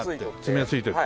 爪がついてる。